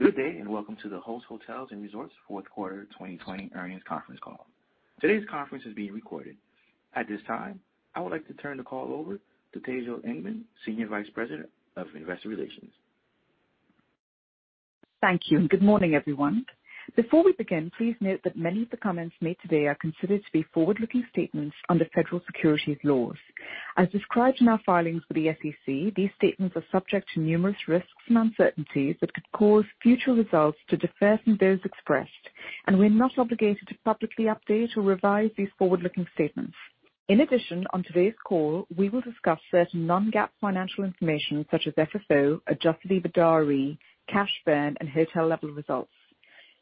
Good day, welcome to the Host Hotels & Resorts Q4 2020 earnings conference call. Today's conference is being recorded. At this time, I would like to turn the call over to Tejal Engman, Senior Vice President of Investor Relations. Thank you. Good morning, everyone. Before we begin, please note that many of the comments made today are considered to be forward-looking statements under federal securities laws. As described in our filings with the SEC, these statements are subject to numerous risks and uncertainties that could cause future results to differ from those expressed, and we're not obligated to publicly update or revise these forward-looking statements. In addition, on today's call, we will discuss certain non-GAAP financial information such as FFO, adjusted EBITDAre, cash burn, and hotel level results.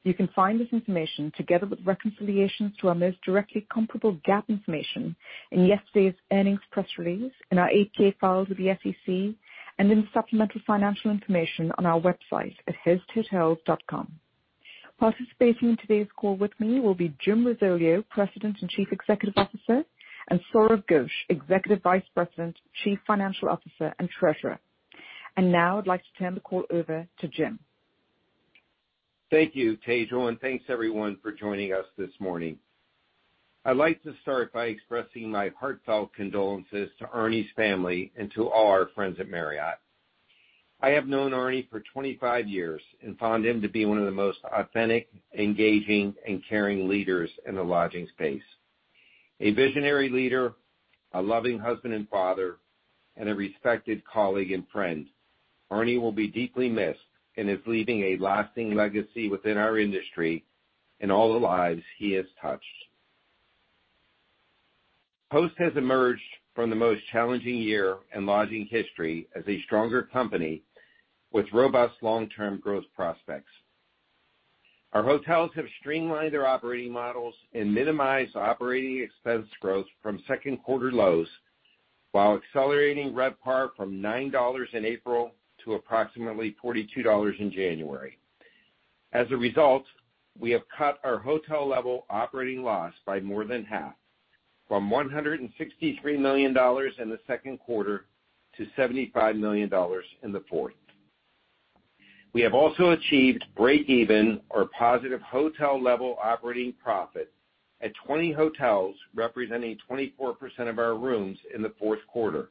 You can find this information together with reconciliations to our most directly comparable GAAP information in yesterday's earnings press release, in our 8-K filed with the SEC, and in supplemental financial information on our website at hosthotels.com. Participating in today's call with me will be Jim Risoleo, President and Chief Executive Officer, and Sourav Ghosh, Executive Vice President, Chief Financial Officer, and Treasurer. Now I'd like to turn the call over to Jim. Thank you, Tejal, and thanks everyone for joining us this morning. I'd like to start by expressing my heartfelt condolences to Ernie's family and to all our friends at Marriott. I have known Ernie for 25 years and found him to be one of the most authentic, engaging, and caring leaders in the lodging space. A visionary leader, a loving husband and father, and a respected colleague and friend. Ernie will be deeply missed and is leaving a lasting legacy within our industry and all the lives he has touched. Host has emerged from the most challenging year in lodging history as a stronger company with robust long-term growth prospects. Our hotels have streamlined their operating models and minimized operating expense growth from Q2 lows while accelerating RevPAR from $9 in April to approximately $42 in January. We have cut our hotel level operating loss by more than half, from $163 million in the Q2 to $75 million in the 4th. We have also achieved break even or positive hotel level operating profit at 20 hotels representing 24% of our rooms in the Q4,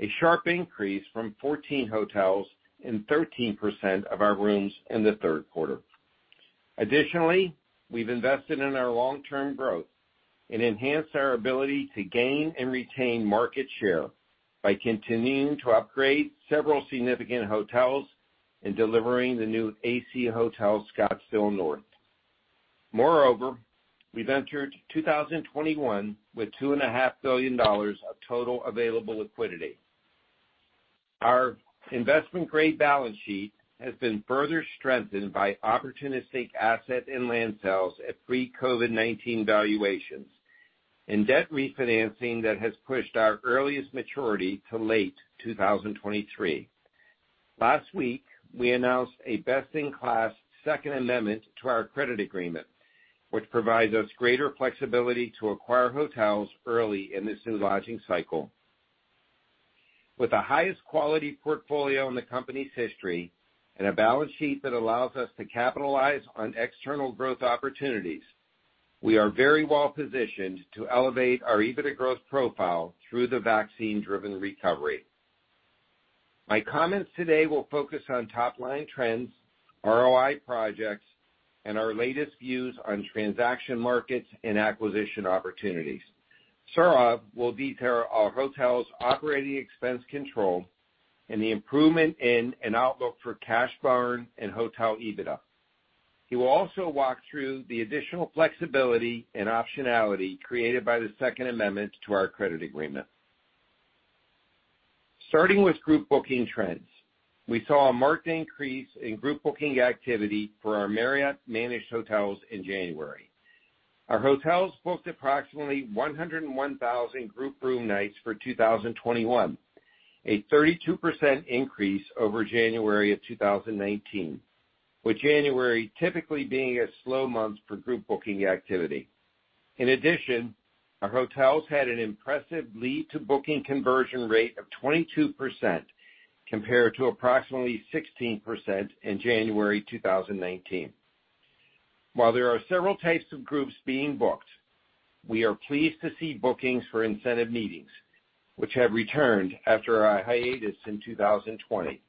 a sharp increase from 14 hotels and 13% of our rooms in the Q3. We've invested in our long-term growth and enhanced our ability to gain and retain market share by continuing to upgrade several significant hotels and delivering the new AC Hotel Scottsdale North. We've entered 2021 with $2.5 billion Of total available liquidity. Our investment grade balance sheet has been further strengthened by opportunistic asset and land sales at pre-COVID-19 valuations and debt refinancing that has pushed our earliest maturity to late 2023. Last week, we announced a best-in-class second amendment to our credit agreement, which provides us greater flexibility to acquire hotels early in this new lodging cycle. With the highest quality portfolio in the company's history and a balance sheet that allows us to capitalize on external growth opportunities, we are very well positioned to elevate our EBITDA growth profile through the vaccine-driven recovery. My comments today will focus on top line trends, ROI projects, and our latest views on transaction markets and acquisition opportunities. Sourav will detail our hotel's operating expense control and the improvement in an outlook for cash burn and hotel EBITDA. He will also walk through the additional flexibility and optionality created by the second amendment to our credit agreement. Starting with group booking trends, we saw a marked increase in group booking activity for our Marriott-managed hotels in January. Our hotels booked approximately 101,000 group room nights for 2021, a 32% increase over January of 2019, with January typically being a slow month for group booking activity. Our hotels had an impressive lead to booking conversion rate of 22% compared to approximately 16% in January 2019. While there are several types of groups being booked, we are pleased to see bookings for incentive meetings which have returned after a hiatus in 2020.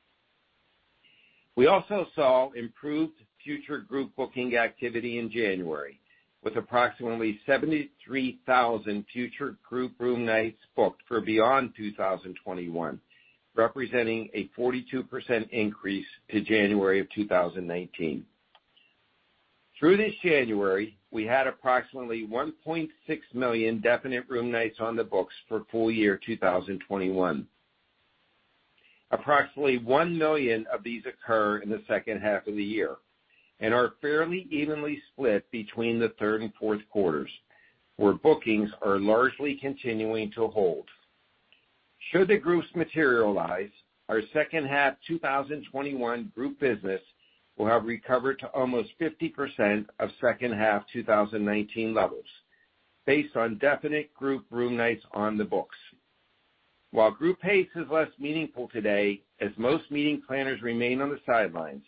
We also saw improved future group booking activity in January, with approximately 73,000 future group room nights booked for beyond 2021, representing a 42% increase to January of 2019. Through this January, we had approximately 1.6 million definite room nights on the books for full year 2021. Approximately 1 million of these occur in the H2 of the year and are fairly evenly split between the Q3 and Q4's, where bookings are largely continuing to hold. Should the groups materialize, our H2 2021 group business will have recovered to almost 50% of H2 2019 levels based on definite group room nights on the books. While group pace is less meaningful today as most meeting planners remain on the sidelines,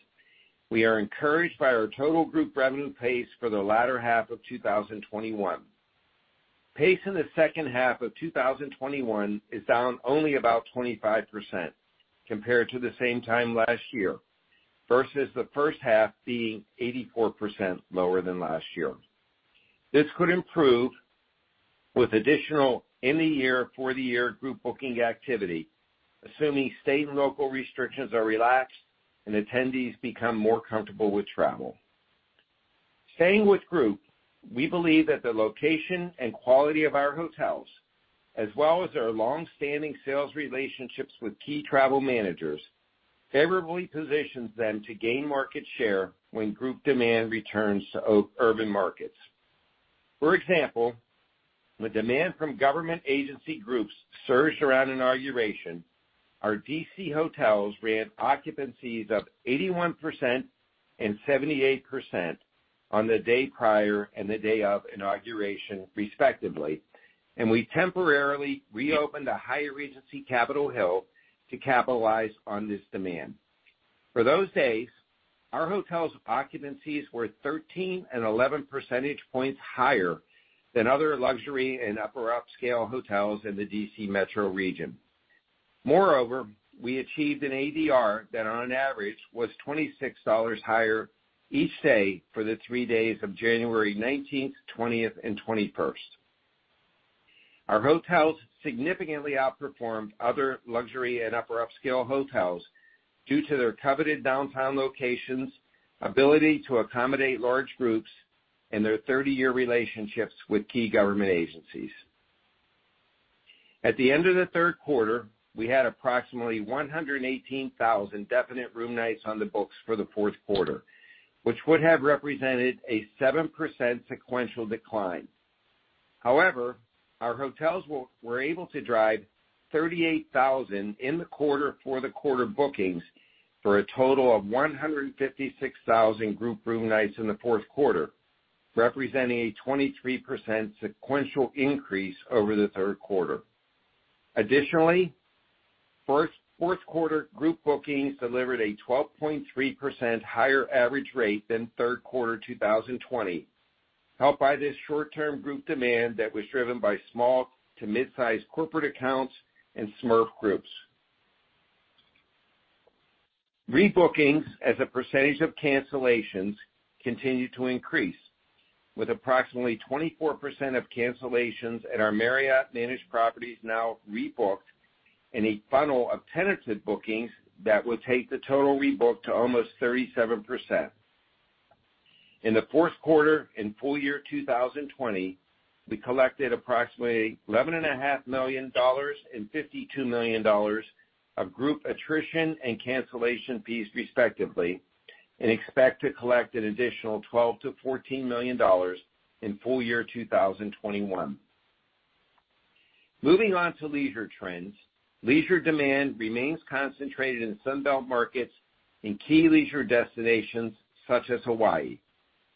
we are encouraged by our total group revenue pace for the latter half of 2021. Pace in the H2 of 2021 is down only about 25% compared to the same time last year, versus the H1 being 84% lower than last year. This could improve with additional in the year, for the year group booking activity, assuming state and local restrictions are relaxed and attendees become more comfortable with travel. Staying with group, we believe that the location and quality of our hotels, as well as our long-standing sales relationships with key travel managers favorably positions them to gain market share when group demand returns to urban markets. For example, when demand from government agency groups surged around inauguration, our D.C. hotels ran occupancies of 81% and 78% on the day prior and the day of inauguration, respectively, and we temporarily reopened a Hyatt Regency Capitol Hill to capitalize on this demand. For those days, our hotel's occupancies were 13 and 11% points higher than other luxury and upper upscale hotels in the D.C. metro region. Moreover, we achieved an ADR that on average was $26 higher each day for the 3 days of January 19th, 2021. Our hotels significantly outperformed other luxury and upper upscale hotels due to their coveted downtown locations, ability to accommodate large groups, and their 30-year relationships with key government agencies. At the end of the Q3, we had approximately 118,000 definite room nights on the books for the Q4, which would have represented a 7% sequential decline. However, our hotels were able to drive 38,000 in the quarter for the quarter bookings for a total of 156,000 group room nights in the Q4, representing a 23% sequential increase over the Q3. Additionally, Q4 group bookings delivered a 12.3% higher average rate than Q3 2020, helped by this short-term group demand that was driven by small to mid-sized corporate accounts and SMERF groups. Rebookings as a percentage of cancellations continue to increase, with approximately 24% of cancellations at our Marriott-managed properties now rebooked in a funnel of tentative bookings that will take the total rebook to almost 37%. In the Q4 and full year 2020, we collected approximately $11.5 million and $52 million of group attrition and cancellation fees respectively, and expect to collect an additional $12 million to $14 million in full year 2021. Moving on to leisure trends. Leisure demand remains concentrated in Sunbelt markets and key leisure destinations such as Hawaii,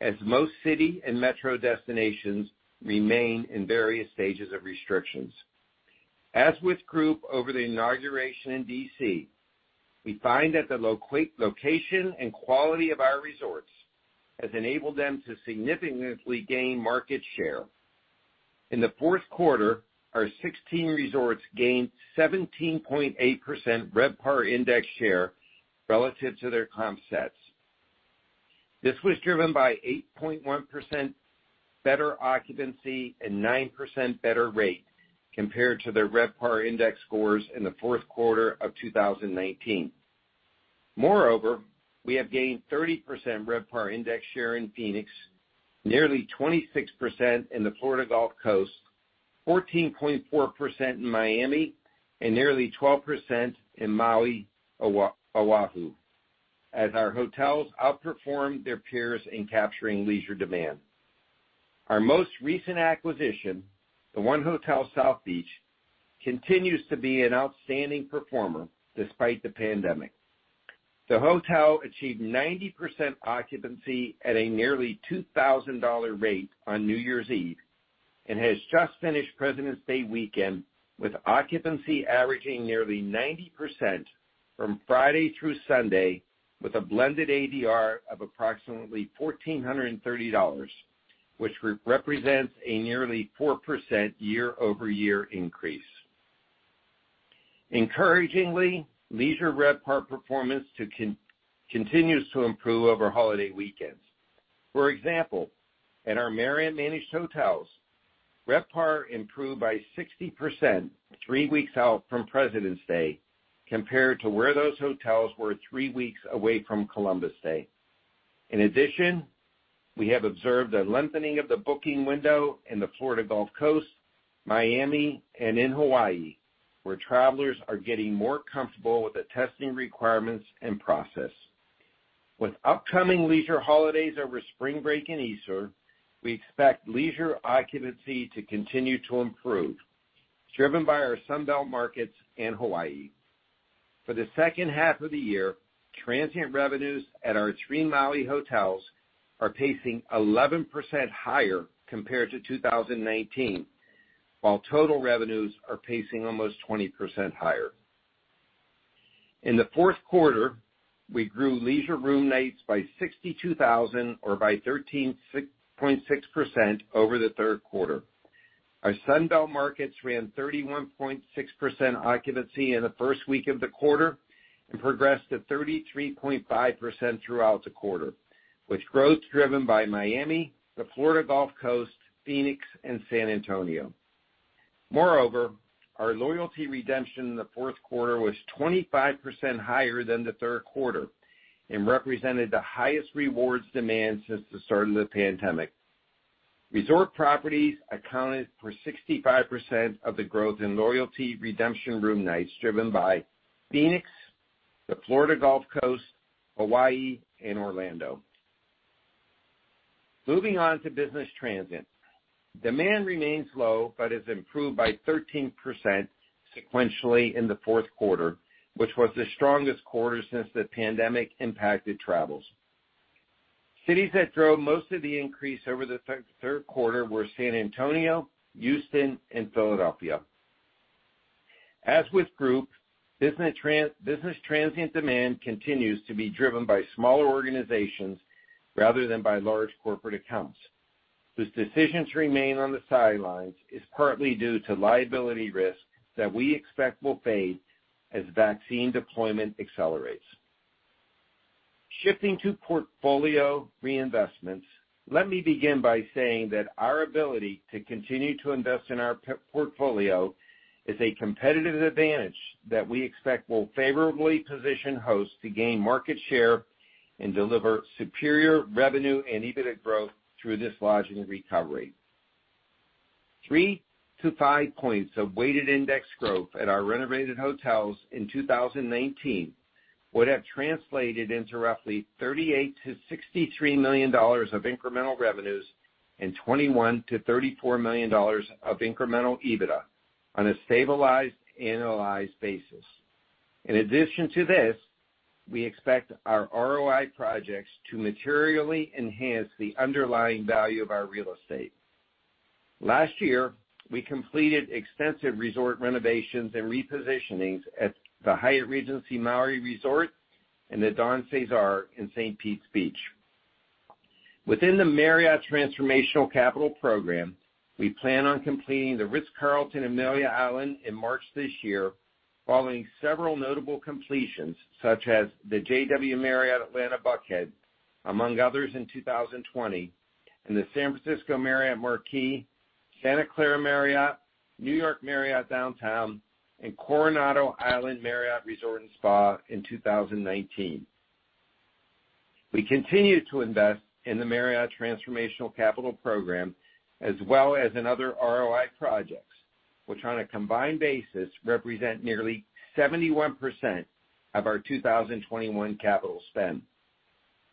as most city and metro destinations remain in various stages of restrictions. With group over the inauguration in D.C., we find that the location and quality of our resorts has enabled them to significantly gain market share. In the Q4, our 16 resorts gained 17.8% RevPAR index share relative to their comp sets. This was driven by 8.1% better occupancy and 9% better rate compared to their RevPAR index scores in the Q4 of 2019. We have gained 30% RevPAR index share in Phoenix, nearly 26% in the Florida Gulf Coast, 14.4% in Miami, and nearly 12% in Maui, Oahu, as our hotels outperformed their peers in capturing leisure demand. Our most recent acquisition, the 1 Hotel South Beach, continues to be an outstanding performer despite the pandemic. The hotel achieved 90% occupancy at a nearly $2,000 rate on New Year's Eve, and has just finished President's Day weekend with occupancy averaging nearly 90% from Friday through Sunday, with a blended ADR of approximately $1,430, which represents a nearly 4% year-over-year increase. Encouragingly, leisure RevPAR performance continues to improve over holiday weekends. For example, at our Marriott-managed hotels, RevPAR improved by 60% 3 weeks out from President's Day compared to where those hotels were 3 weeks away from Columbus Day. In addition, we have observed a lengthening of the booking window in the Florida Gulf Coast, Miami, and in Hawaii, where travelers are getting more comfortable with the testing requirements and process. With upcoming leisure holidays over spring break and Easter, we expect leisure occupancy to continue to improve, driven by our Sunbelt markets and Hawaii. For the H2 of the year, transient revenues at our 3 Maui hotels are pacing 11% higher compared to 2019, while total revenues are pacing almost 20% higher. In the Q4, we grew leisure room nights by 62,000 or by 13.6% over the Q3. Our Sunbelt markets ran 31.6% occupancy in the 1st week of the quarter and progressed to 33.5% throughout the quarter, with growth driven by Miami, the Florida Gulf Coast, Phoenix and San Antonio. Moreover, our loyalty redemption in the Q4 was 25% higher than the Q3 and represented the highest rewards demand since the start of the pandemic. Resort properties accounted for 65% of the growth in loyalty redemption room nights, driven by Phoenix, the Florida Gulf Coast, Hawaii and Orlando. Moving on to business transient. Demand remains low, but has improved by 13% sequentially in the Q4, which was the strongest quarter since the pandemic impacted travels. Cities that drove most of the increase over the Q3 were San Antonio, Houston and Philadelphia. As with groups, business transient demand continues to be driven by smaller organizations rather than by large corporate accounts. This decision to remain on the sidelines is partly due to liability risk that we expect will fade as vaccine deployment accelerates. Shifting to portfolio reinvestments, let me begin by saying that our ability to continue to invest in our portfolio is a competitive advantage that we expect will favorably position Host to gain market share and deliver superior revenue and EBIT growth through this lodging recovery. 3 to 5 points of weighted index growth at our renovated hotels in 2019 would have translated into roughly $38 million to $63 million of incremental revenues and $21 million to $34 million of incremental EBITDA on a stabilized, analyzed basis. In addition to this, we expect our ROI projects to materially enhance the underlying value of our real estate. Last year, we completed extensive resort renovations and repositionings at the Hyatt Regency Maui Resort and Spa and The Don CeSar in St. Pete Beach. Within the Marriott Transformational Capital Program, we plan on completing The Ritz-Carlton, Amelia Island in March this year, following several notable completions, such as the JW Marriott Atlanta Buckhead, among others in 2020, and the San Francisco Marriott Marquis, Santa Clara Marriott, New York Marriott Downtown, and Coronado Island Marriott Resort & Spa in 2019. We continue to invest in the Marriott Transformational Capital Program, as well as in other ROI projects, which on a combined basis represent nearly 71% of our 2021 capital spend.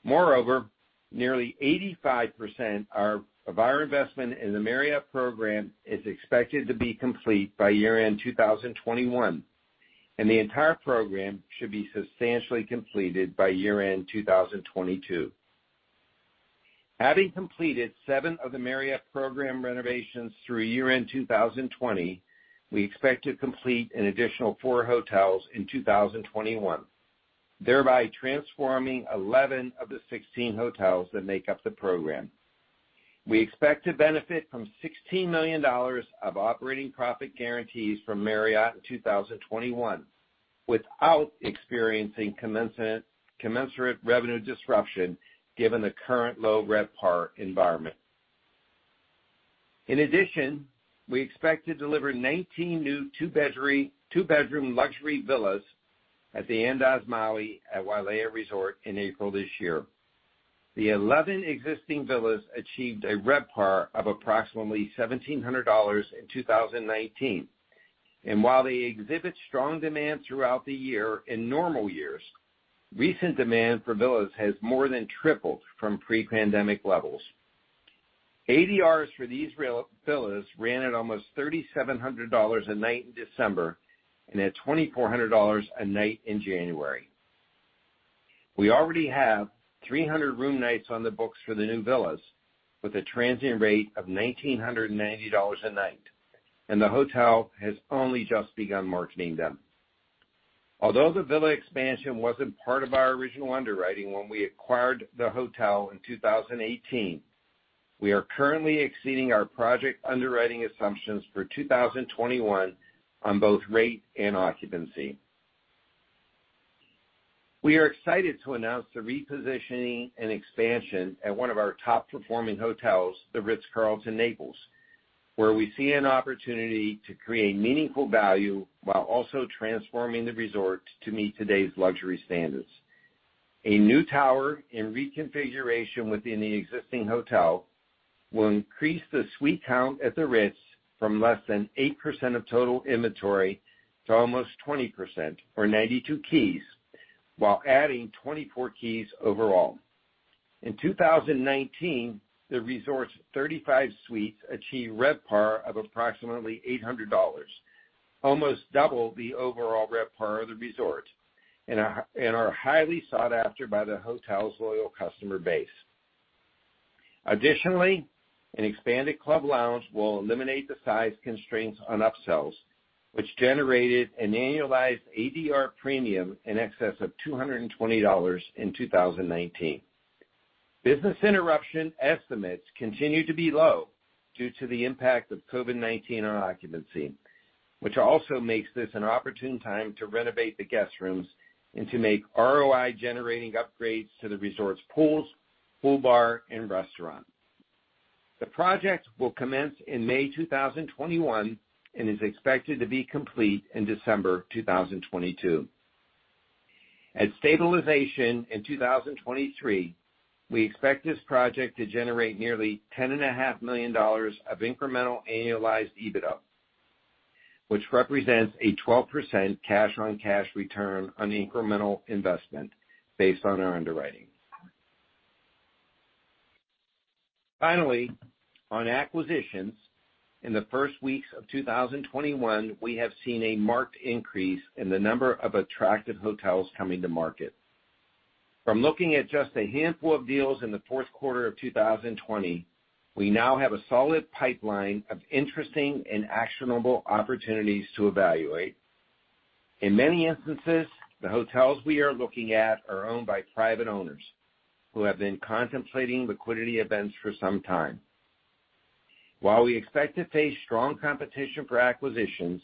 Moreover, nearly 85% of our investment in the Marriott program is expected to be complete by year-end 2021, and the entire program should be substantially completed by year-end 2022. Having completed 7 of the Marriott program renovations through year-end 2020, we expect to complete an additional 4 hotels in 2021, thereby transforming 11 of the 16 hotels that make up the program. We expect to benefit from $16 million of operating profit guarantees from Marriott in 2021 without experiencing commensurate revenue disruption given the current low RevPAR environment. In addition, we expect to deliver 19 new 2-bedroom luxury villas at the Andaz Maui at Wailea Resort in April this year. The 11 existing villas achieved a RevPAR of approximately $1,700 in 2019. While they exhibit strong demand throughout the year in normal years, recent demand for villas has more than tripled from pre-pandemic levels. ADRs for these villas ran at almost $3,700 a night in December and at $2,400 a night in January. We already have 300 room nights on the books for the new villas with a transient rate of $1,990 a night. The hotel has only just begun marketing them. Although the villa expansion wasn't part of our original underwriting when we acquired the hotel in 2018, we are currently exceeding our project underwriting assumptions for 2021 on both rate and occupancy. We are excited to announce the repositioning and expansion at one of our top performing hotels, The Ritz-Carlton, Naples, where we see an opportunity to create meaningful value while also transforming the resort to meet today's luxury standards. A new tower and reconfiguration within the existing hotel will increase the suite count at The Ritz from less than 8% of total inventory to almost 20%, or 92 keys, while adding 24 keys overall. In 2019, the resort's 35 suites achieved RevPAR of approximately $800, almost double the overall RevPAR of the resort, and are highly sought after by the hotel's loyal customer base. Additionally, an expanded club lounge will eliminate the size constraints on upsells, which generated an annualized ADR premium in excess of $220 in 2019. Business interruption estimates continue to be low due to the impact of COVID-19 on occupancy, which also makes this an opportune time to renovate the guest rooms and to make ROI-generating upgrades to the resort's pools, pool bar, and restaurant. The project will commence in May 2021 and is expected to be complete in December 2022. At stabilization in 2023, we expect this project to generate nearly $10.5 million of incremental annualized EBITDA, which represents a 12% cash-on-cash return on incremental investment based on our underwriting. On acquisitions, in the 1st weeks of 2021, we have seen a marked increase in the number of attractive hotels coming to market. From looking at just a handful of deals in the Q4 of 2020, we now have a solid pipeline of interesting and actionable opportunities to evaluate. In many instances, the hotels we are looking at are owned by private owners who have been contemplating liquidity events for some time. While we expect to face strong competition for acquisitions,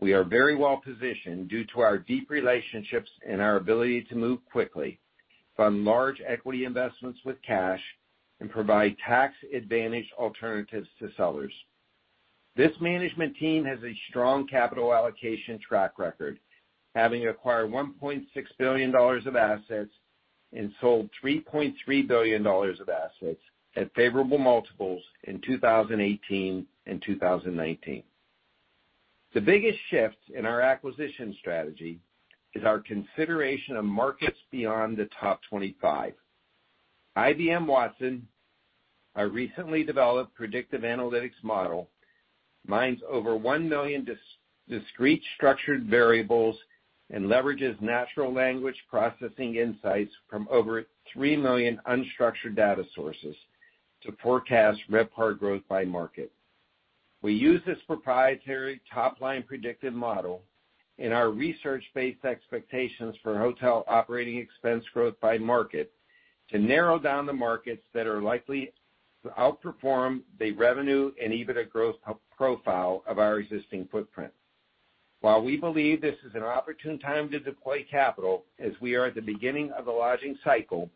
we are very well-positioned due to our deep relationships and our ability to move quickly from large equity investments with cash and provide tax-advantaged alternatives to sellers. This management team has a strong capital allocation track record, having acquired $1.6 billion of assets and sold $3.3 billion of assets at favorable multiples in 2018 and 2019. The biggest shift in our acquisition strategy is our consideration of markets beyond the top 25. IBM Watson, our recently developed predictive analytics model, mines over 1 million discrete structured variables and leverages natural language processing insights from over 3 million unstructured data sources to forecast RevPAR growth by market. We use this proprietary top-line predictive model in our research-based expectations for hotel operating expense growth by market to narrow down the markets that are likely to outperform the revenue and EBITDA growth pro-profile of our existing footprint. While we believe this is an opportune time to deploy capital as we are at the beginning of a lodging cycle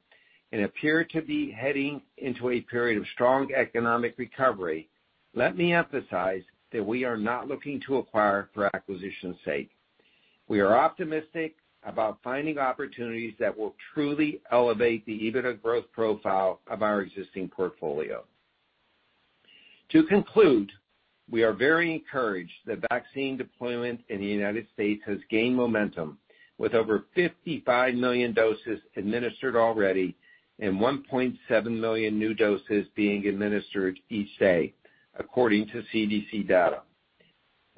and appear to be heading into a period of strong economic recovery, let me emphasize that we are not looking to acquire for acquisition's sake. We are optimistic about finding opportunities that will truly elevate the EBITDA growth profile of our existing portfolio. To conclude, we are very encouraged that vaccine deployment in the U.S. has gained momentum with over 55 million doses administered already and 1.7 million new doses being administered each day, according to CDC data.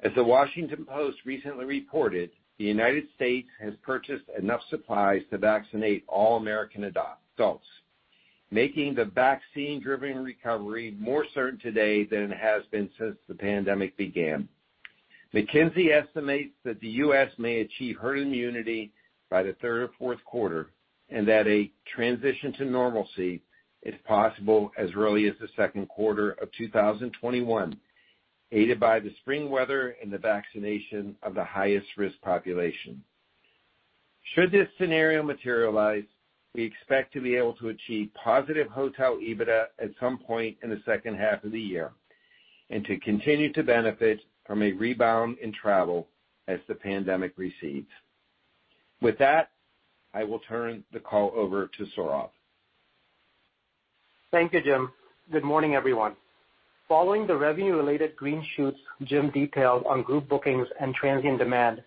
As The Washington Post recently reported, the United States has purchased enough supplies to vaccinate all American adults, making the vaccine-driven recovery more certain today than it has been since the pandemic began. McKinsey estimates that the US may achieve herd immunity by the Q3 Q4, and that a transition to normalcy is possible as early as the Q2 of 2021, aided by the spring weather and the vaccination of the highest risk population. Should this scenario materialize, we expect to be able to achieve positive hotel EBITDA at some point in the H2 of the year and to continue to benefit from a rebound in travel as the pandemic recedes. With that, I will turn the call over to Sourav. Thank you, Jim. Good morning, everyone. Following the revenue-related green shoots Jim detailed on group bookings and transient demand,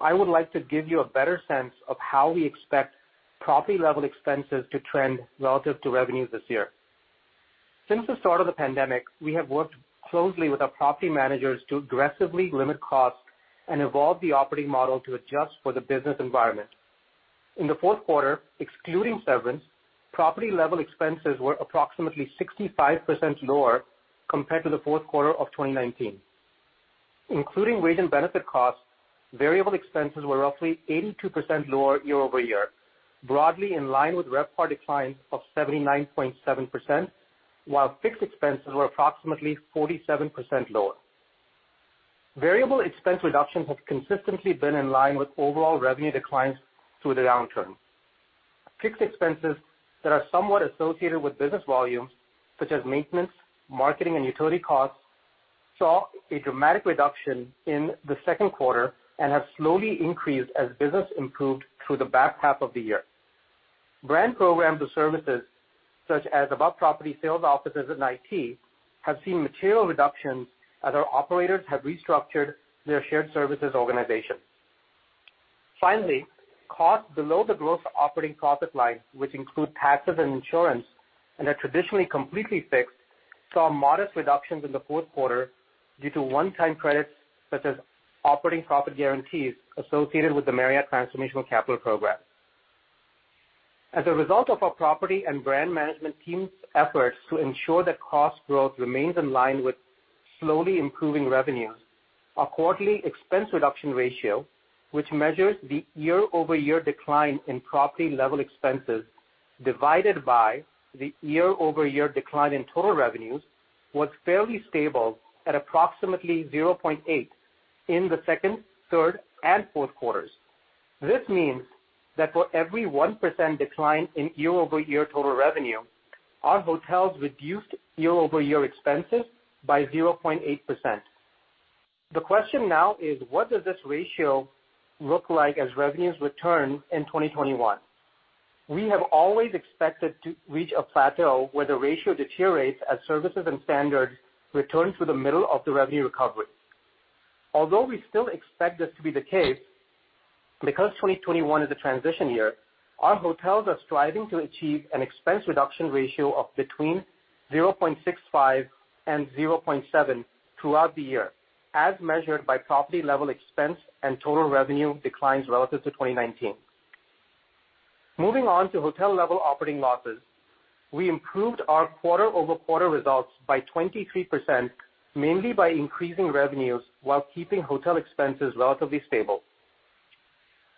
I would like to give you a better sense of how we expect property-level expenses to trend relative to revenue this year. Since the start of the pandemic, we have worked closely with our property managers to aggressively limit costs and evolve the operating model to adjust for the business environment. In the Q4, excluding severance, property-level expenses were approximately 65% lower compared to the Q4 of 2019. Including wage and benefit costs, variable expenses were roughly 82% lower year-over-year, broadly in line with RevPAR declines of 79.7%, while fixed expenses were approximately 47% lower. Variable expense reduction has consistently been in line with overall revenue declines through the downturn. Fixed expenses that are somewhat associated with business volumes, such as maintenance, marketing, and utility costs, saw a dramatic reduction in the Q2 and have slowly increased as business improved through the back half of the year. Brand programs or services, such as above property sales offices and IT, have seen material reductions as our operators have restructured their shared services organization. Finally, costs below the growth operating profit line, which include taxes and insurance and are traditionally completely fixed, saw modest reductions in the Q4 due to one-time credits such as operating profit guarantees associated with the Marriott Transformational Capital Program. As a result of our property and brand management team's efforts to ensure that cost growth remains in line with slowly improving revenues, our quarterly expense reduction ratio, which measures the year-over-year decline in property level expenses divided by the year-over-year decline in total revenues, was fairly stable at approximately 0.8 in the Q2, Q3, and Q4. This means that for every 1% decline in year-over-year total revenue, our hotels reduced year-over-year expenses by 0.8%. The question now is: What does this ratio look like as revenues return in 2021? We have always expected to reach a plateau where the ratio deteriorates as services and standards return to the middle of the revenue recovery. Although we still expect this to be the case, because 2021 is a transition year, our hotels are striving to achieve an expense reduction ratio of between 0.65 and 0.7 throughout the year, as measured by property level expense and total revenue declines relative to 2019. Moving on to hotel level operating losses. We improved our quarter-over-quarter results by 23%, mainly by increasing revenues while keeping hotel expenses relatively stable.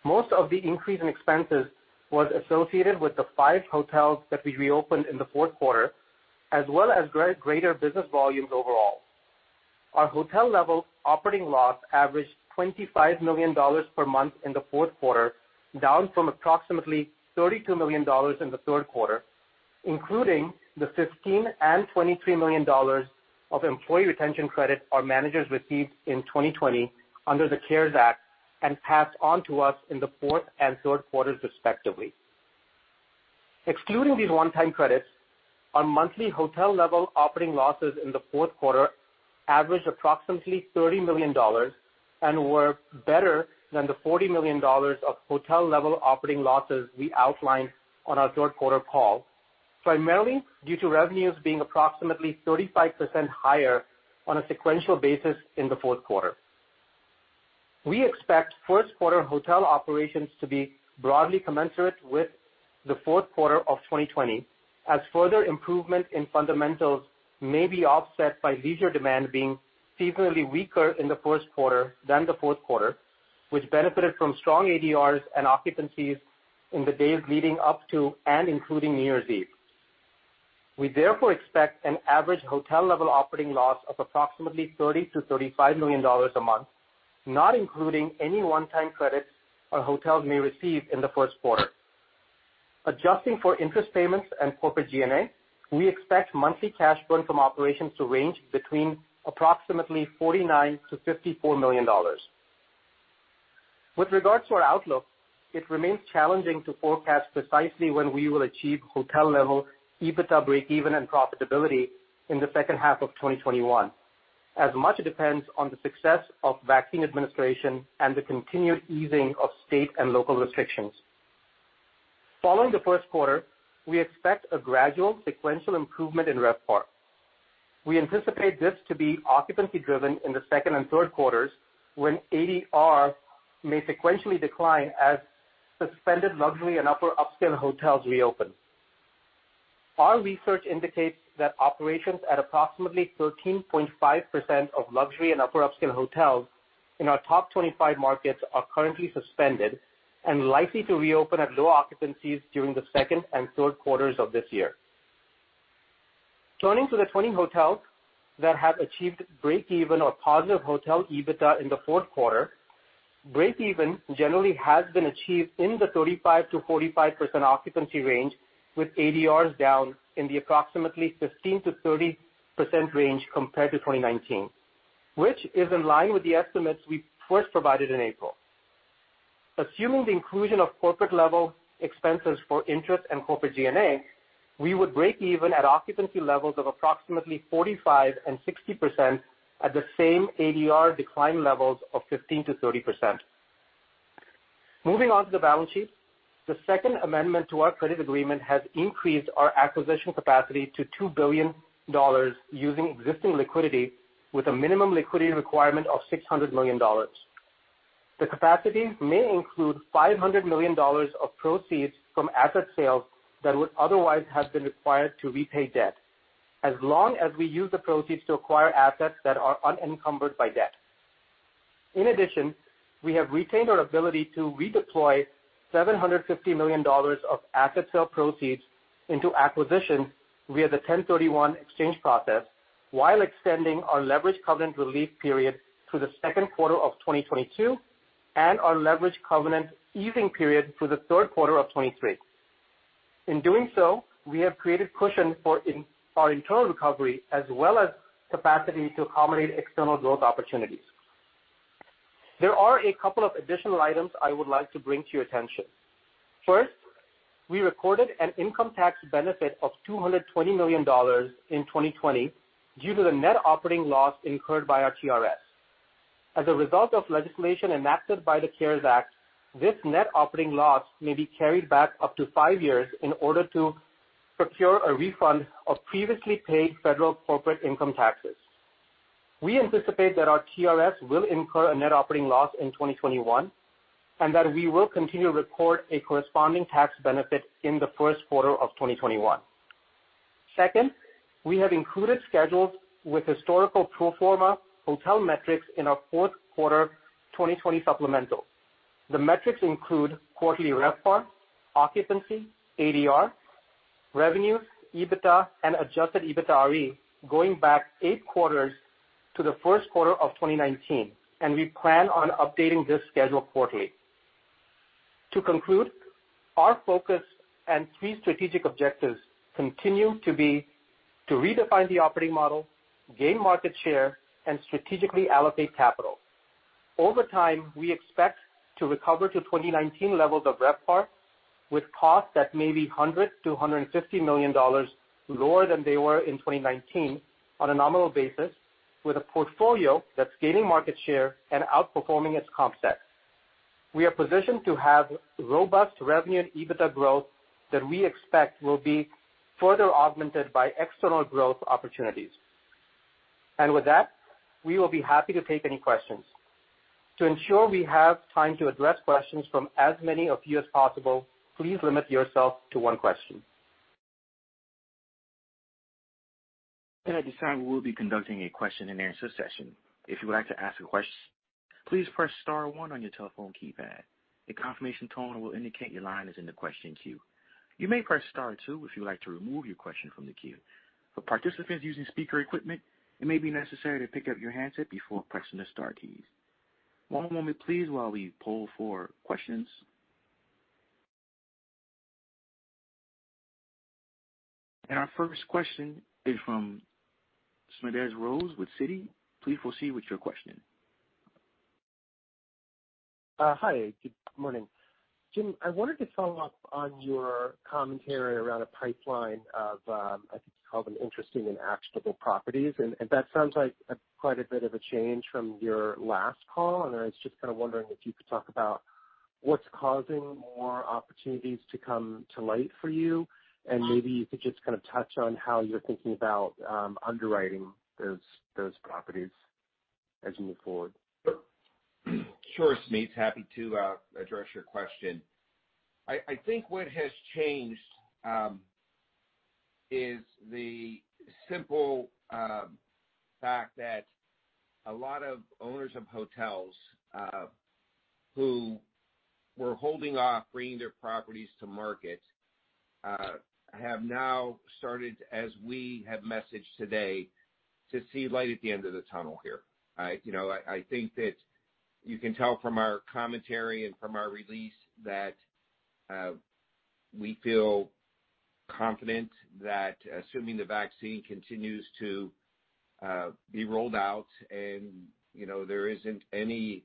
Most of the increase in expenses was associated with the 5 hotels that we reopened in the Q4, as well as greater business volumes overall. Our hotel level operating loss averaged $25 million per month in the Q4, down from approximately $32 million in the Q3, including the $15 million and $23 million of employee retention credit our managers received in 2020 under the CARES Act and passed on to us in the Q4 and Q3, respectively. Excluding these one-time credits, our monthly hotel level operating losses in the Q4 averaged approximately $30 million and were better than the $40 million of hotel level operating losses we outlined on our Q3 call, primarily due to revenues being approximately 35% higher on a sequential basis in the Q4. We expect Q1 hotel operations to be broadly commensurate with the Q4 of 2020 as further improvement in fundamentals may be offset by leisure demand being seasonally weaker in the Q1 than the Q4, which benefited from strong ADRs and occupancies in the days leading up to and including New Year's Eve. We therefore expect an average hotel level operating loss of approximately $30 million to $35 million a month, not including any one-time credits our hotels may receive in the Q1. Adjusting for interest payments and corporate G&A, we expect monthly cash burn from operations to range between approximately $49 million to $54 million. With regards to our outlook, it remains challenging to forecast precisely when we will achieve hotel level EBITDA breakeven and profitability in the H2 of 2021, as much depends on the success of vaccine administration and the continued easing of state and local restrictions. Following the Q1, we expect a gradual sequential improvement in RevPAR. We anticipate this to be occupancy driven in the Q2 and Q3, when ADR may sequentially decline as suspended luxury and upper upscale hotels reopen. Our research indicates that operations at approximately 13.5% of luxury and upper upscale hotels in our top 25 markets are currently suspended and likely to reopen at low occupancies during the Q2 and Q3 of this year. Turning to the 20 hotels that have achieved breakeven or positive hotel EBITDA in theQ4, breakeven generally has been achieved in the 35% to 45% occupancy range, with ADRs down in the approximately 15%-30% range compared to 2019, which is in line with the estimates we 1st provided in April. Assuming the inclusion of corporate level expenses for interest and corporate G&A, we would break even at occupancy levels of approximately 45% and 60% at the same ADR decline levels of 15%-30%. Moving on to the balance sheet. The second amendment to our credit agreement has increased our acquisition capacity to $2 billion using existing liquidity with a minimum liquidity requirement of $600 million. The capacity may include $500 million of proceeds from asset sales that would otherwise have been required to repay debt as long as we use the proceeds to acquire assets that are unencumbered by debt. In addition, we have retained our ability to redeploy $750 million of asset sale proceeds into acquisition via the 1031 exchange process while extending our leverage covenant relief period to the Q2 of 2022 and our leverage covenant easing period to the Q3 of 2023. In doing so, we have created cushion for our internal recovery as well as capacity to accommodate external growth opportunities. There are a couple of additional items I would like to bring to your attention. First, We recorded an income tax benefit of $220 million in 2020 due to the net operating loss incurred by our TRS. As a result of legislation enacted by the CARES Act, this net operating loss may be carried back up to 5 years in order to procure a refund of previously paid federal corporate income taxes. We anticipate that our TRS will incur a net operating loss in 2021, and that we will continue to report a corresponding tax benefit in the Q1 of 2021. 2nd, we have included schedules with historical pro forma hotel metrics in our Q4 2020 supplemental. The metrics include quarterly RevPAR, occupancy, ADR, revenue, EBITDA, and adjusted EBITDARE going back 8 quarters to the Q1 of 2019, and we plan on updating this schedule quarterly. To conclude, our focus and 3 strategic objectives continue to be to redefine the operating model, gain market share, and strategically allocate capital. Over time, we expect to recover to 2019 levels of RevPAR with costs that may be $100 million to $150 million lower than they were in 2019 on a nominal basis with a portfolio that's gaining market share and outperforming its comp set. With that, we will be happy to take any questions. To ensure we have time to address questions from as many of you as possible, please limit yourself to 1 question. I decide we'll be conducting a question-and-answer session. If you would like to ask a question, please press * 1 on your telephone keypad. A confirmation tone will indicate your line is in the question queue. You may press * 2 if you would like to remove your question from the queue. For participants using speaker equipment, it may be necessary to pick up your handset before pressing the * keys. One moment please while we poll for questions. Our 1st question is from Smedes Rose with Citi. Please proceed with your question. Hi, good morning. Jim, I wanted to follow up on your commentary around a pipeline of, I think you called them interesting and actionable properties. That sounds like a quite a bit of a change from your last call. I was just kind of wondering if you could talk about what's causing more opportunities to come to light for you, and maybe you could just kind of touch on how you're thinking about underwriting those properties as you move forward. Sure, Smedes. Happy to address your question. I think what has changed is the simple fact that a lot of owners of hotels who were holding off bringing their properties to market have now started, as we have messaged today, to see light at the end of the tunnel here. You know, I think that you can tell from our commentary and from our release that we feel confident that assuming the vaccine continues to be rolled out and, you know, there isn't any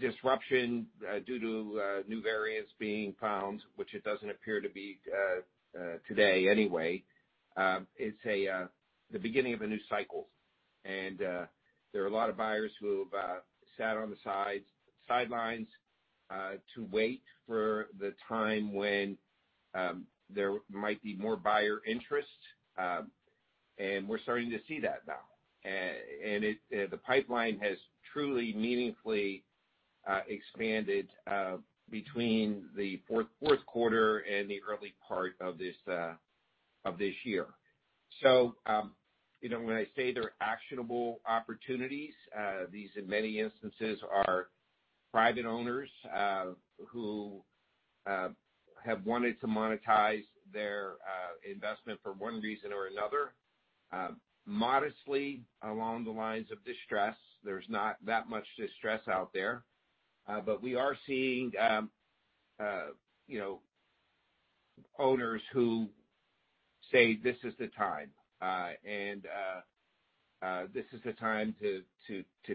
disruption due to new variants being found, which it doesn't appear to be today anyway. It's the beginning of a new cycle. There are a lot of buyers who have sat on the sidelines to wait for the time when there might be more buyer interest, and we're starting to see that now. It, the pipeline has truly meaningfully expanded between the Q4 and the early part of this, of this year. You know, when I say they're actionable opportunities, these, in many instances, are private owners who have wanted to monetize their investment for 1 reason or another. Modestly along the lines of distress. There's not that much distress out there. We are seeing, you know, owners who say, "This is the time," and this is the time to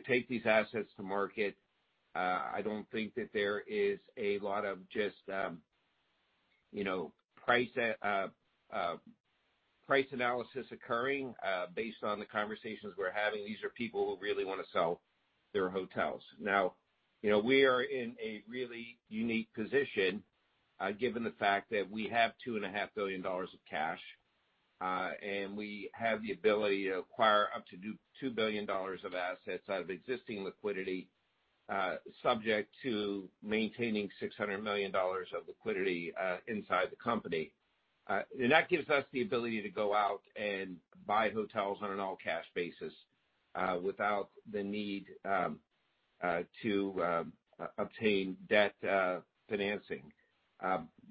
take these assets to market. I don't think that there is a lot of just, you know, price analysis occurring, based on the conversations we're having. These are people who really wanna sell their hotels. You know, we are in a really unique position, given the fact that we have $2.5 billion of cash, and we have the ability to acquire up to $2 billion of assets out of existing liquidity, subject to maintaining $600 million of liquidity inside the company. That gives us the ability to go out and buy hotels on an all-cash basis, without the need to obtain debt financing,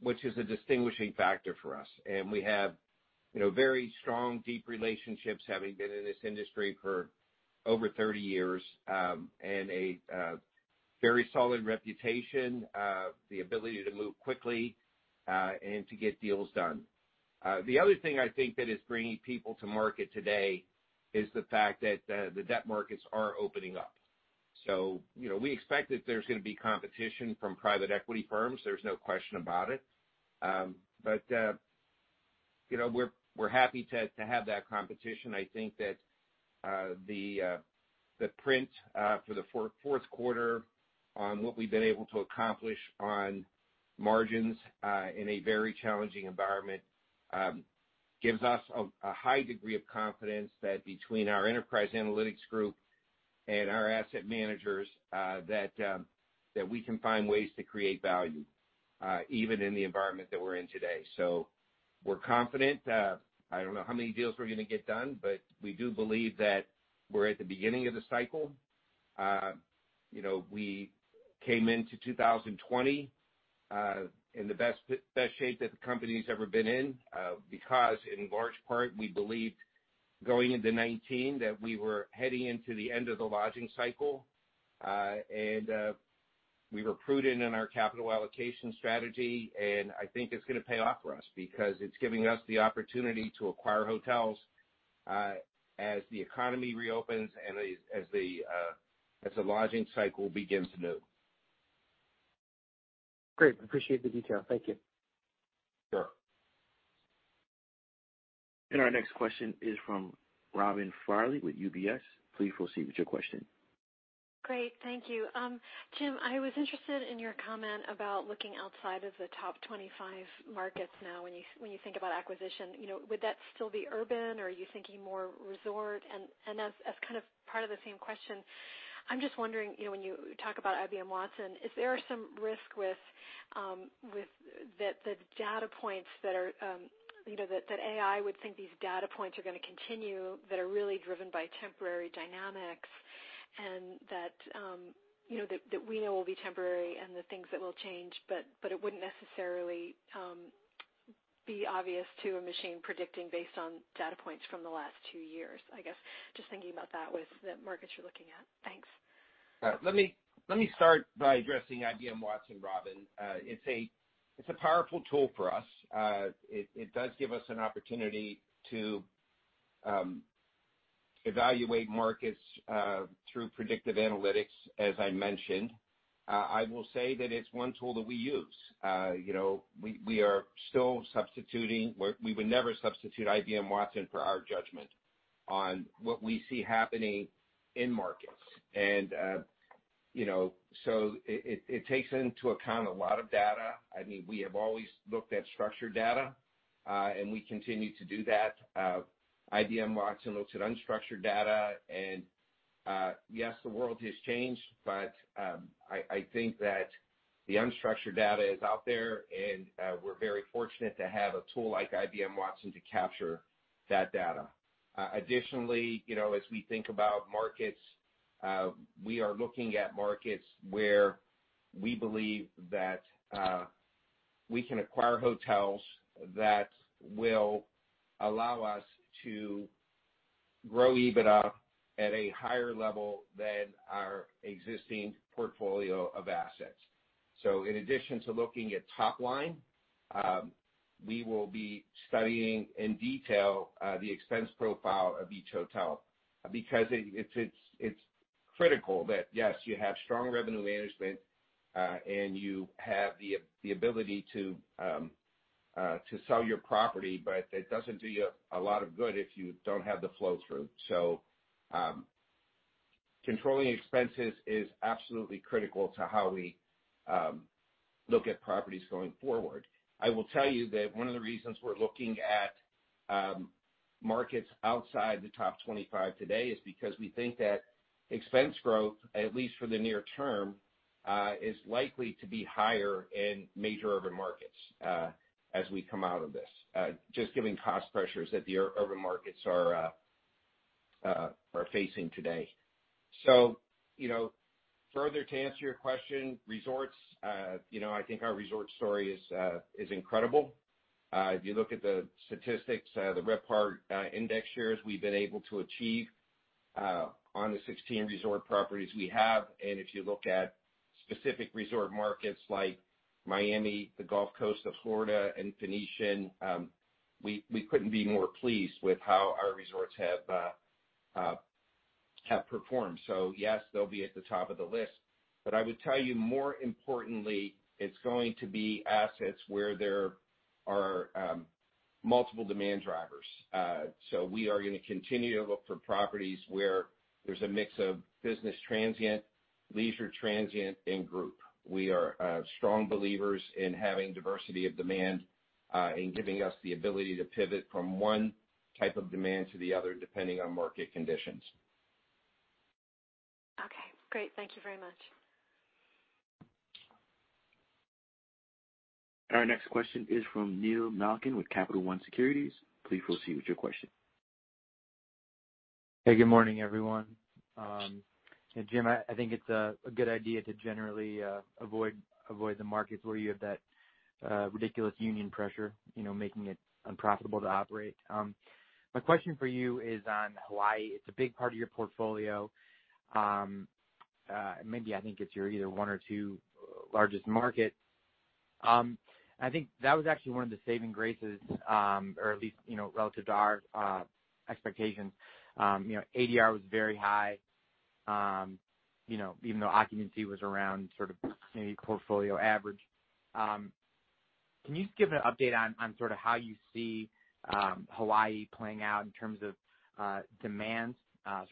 which is a distinguishing factor for us. We have, you know, very strong, deep relationships having been in this industry for over 30 years, and a very solid reputation. The ability to move quickly, and to get deals done. The other thing I think that is bringing people to market today is the fact that the debt markets are opening up. You know, we expect that there's gonna be competition from private equity firms, there's no question about it. You know, we're happy to have that competition. I think that, the print for the Q4 on what we've been able to accomplish on margins, in a very challenging environment, gives us a high degree of confidence that between our Enterprise Analytics Group and our asset managers, that we can find ways to create value, even in the environment that we're in today. We're confident. I don't know how many deals we're gonna get done, but we do believe that we're at the beginning of the cycle. you know, we came into 2020, in the best shape that the company's ever been in, because, in large part, we believed going into 2019 that we were heading into the end of the lodging cycle. We were prudent in our capital allocation strategy, and I think it's gonna pay off for us because it's giving us the opportunity to acquire hotels, as the economy reopens and as the lodging cycle begins anew. Great. Appreciate the detail. Thank you. Sure. Our next question is from Robin Farley with UBS. Please proceed with your question. Great. Thank you. Jim, I was interested in your comment about looking outside of the top 25 markets now when you think about acquisition. You know, would that still be urban, or are you thinking more resort? As kind of part of the same question, I'm just wondering, you know, when you talk about IBM Watson, is there some risk with That the data points that are, you know, that AI would think these data points are gonna continue, that are really driven by temporary dynamics and that, you know, that we know will be temporary and the things that will change, but it wouldn't necessarily be obvious to a machine predicting based on data points from the last 2 years? I guess just thinking about that with the markets you're looking at. Thanks. All right. Let me, let me start by addressing IBM Watson, Robin. It's a powerful tool for us. It does give us an opportunity to evaluate markets through predictive analytics, as I mentioned. I will say that it's 1 tool that we use. You know, we would never substitute IBM Watson for our judgment on what we see happening in markets. You know, so it takes into account a lot of data. I mean, we have always looked at structured data, and we continue to do that. IBM Watson looks at unstructured data and, yes, the world has changed, but I think that the unstructured data is out there and we're very fortunate to have a tool like IBM Watson to capture that data. Additionally, you know, as we think about markets, we are looking at markets where we believe that, we can acquire hotels that will allow us to grow EBITDA at a higher level than our existing portfolio of assets. In addition to looking at top line, we will be studying in detail, the expense profile of each hotel because it's critical that, yes, you have strong revenue management, and you have the ability to sell your property, but it doesn't do you a lot of good if you don't have the flow through. Controlling expenses is absolutely critical to how we, look at properties going forward. I will tell you that one of the reasons we're looking at markets outside the top 25 today is because we think that expense growth, at least for the near term, is likely to be higher in major urban markets as we come out of this, just given cost pressures that the urban markets are facing today. You know, further to answer your question, resorts, you know, I think our resort story is incredible. If you look at the statistics, the RevPAR index shares we've been able to achieve on the 16 resort properties we have, and if you look at specific resort markets like Miami, the Gulf Coast of Florida and Venice, we couldn't be more pleased with how our resorts have performed. Yes, they'll be at the top of the list. I would tell you more importantly it's going to be assets where there are multiple demand drivers. We are gonna continue to look for properties where there's a mix of business transient, leisure transient and group. We are strong believers in having diversity of demand in giving us the ability to pivot from 1 type of demand to the other depending on market conditions. Okay, great. Thank you very much. Our next question is from Neil Malkin with Capital One Securities. Please proceed with your question. Hey, good morning, everyone. Jim, I think it's a good idea to generally avoid the markets where you have that- Ridiculous union pressure, you know, making it unprofitable to operate. My question for you is on Hawaii. It's a big part of your portfolio. Maybe I think it's your either 1 or 2 largest market. I think that was actually one of the saving graces, or at least, you know, relative to our expectations, you know, ADR was very high, you know, even though occupancy was around sort of maybe portfolio average. Can you just give an update on sort of how you see Hawaii playing out in terms of demands,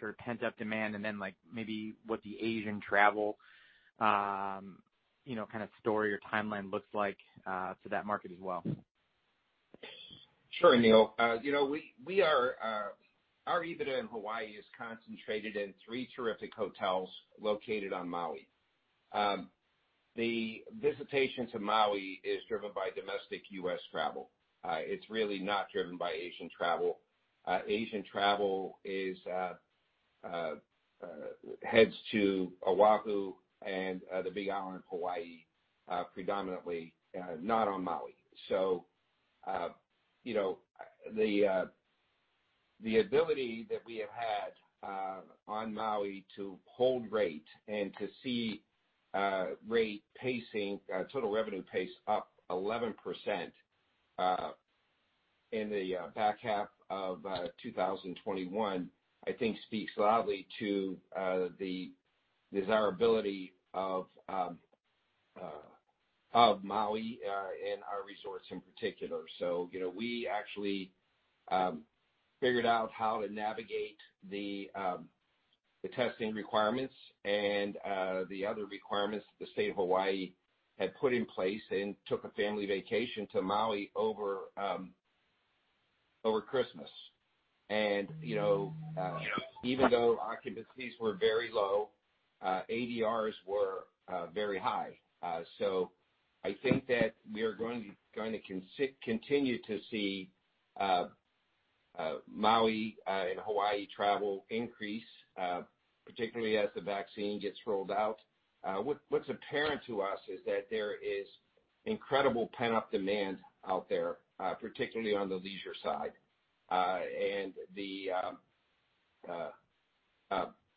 sort of pent-up demand, and then like maybe what the Asian travel, you know, kind of story or timeline looks like to that market as well? Sure, Neil. You know, we are. Our EBITDA in Hawaii is concentrated in 3 terrific hotels located on Maui. The visitation to Maui is driven by domestic U.S. travel. It's really not driven by Asian travel. Asian travel is heads to Oahu and the Big Island of Hawaii predominantly not on Maui. You know, the ability that we have had on Maui to hold rate and to see rate pacing total revenue pace up 11% in the back half of 2021, I think speaks loudly to the desirability of Maui and our resorts in particular. You know, we actually figured out how to navigate the testing requirements and the other requirements the State of Hawaii had put in place and took a family vacation to Maui over Christmas. You know, even though occupancies were very low, ADRs were very high. I think that we are going to continue to see Maui and Hawaii travel increase particularly as the vaccine gets rolled out. What's apparent to us is that there is incredible pent-up demand out there particularly on the leisure side.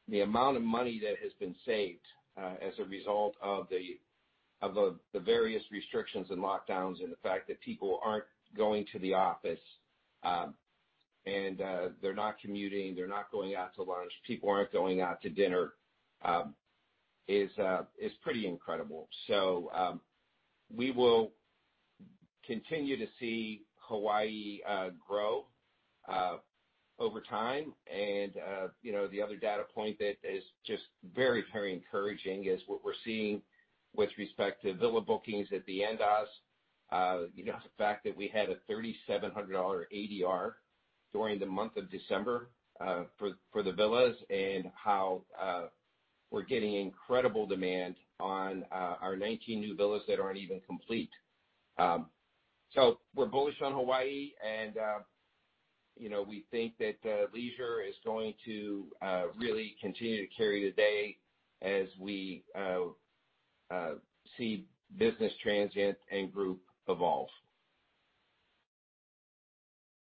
The amount of money that has been saved as a result of the various restrictions and lockdowns, and the fact that people aren't going to the office, and they're not commuting, they're not going out to lunch, people aren't going out to dinner, is pretty incredible. We will continue to see Hawaii grow over time. You know, the other data point that is just very, very encouraging is what we're seeing with respect to villa bookings at the Andaz. You know, the fact that we had a $3,700 ADR during the month of December for the villas and how we're getting incredible demand on our 19 new villas that aren't even complete. We're bullish on Hawaii and, you know, we think that leisure is going to really continue to carry the day as we see business transient and group evolve.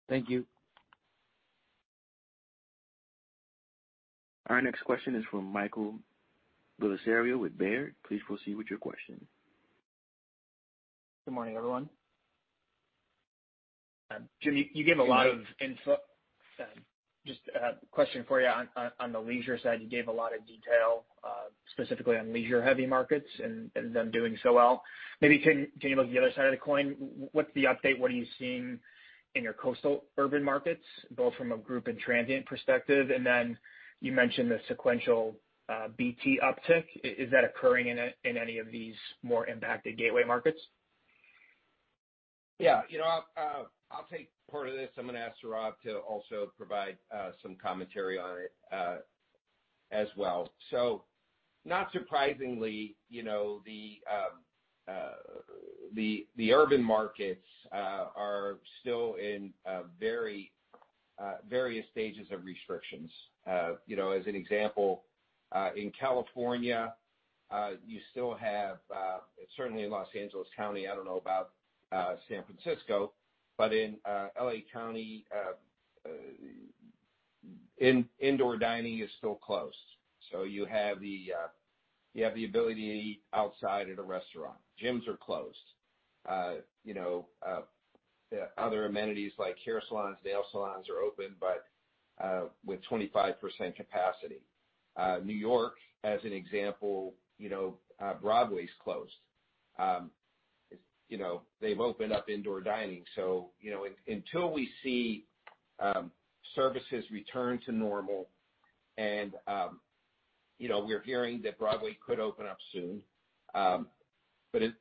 Thank you. Our next question is from Michael Bellisario with Baird. Please proceed with your question. Good morning, everyone. Jim, you gave a lot of info-. Good morning. Just a question for you on the leisure side, you gave a lot of detail specifically on leisure heavy markets and them doing so well. Maybe can you look at the other side of the coin? What's the update? What are you seeing in your coastal urban markets, both from a group and transient perspective? And then you mentioned the sequential BT uptick. Is that occurring in any of these more impacted gateway markets? You know, I'll take part of this. I'm gonna ask Sourav to also provide some commentary on it as well. Not surprisingly, you know, the urban markets are still in very various stages of restrictions. You know, as an example, in California, you still have certainly in Los Angeles County, I don't know about San Francisco, but in L.A. County, indoor dining is still closed. You have the ability to eat outside at a restaurant. Gyms are closed. You know, other amenities like hair salons, nail salons are open, but with 25% capacity. New York as an example, you know, Broadway's closed. You know, they've opened up indoor dining. You know, until we see services return to normal and, you know, we're hearing that Broadway could open up soon.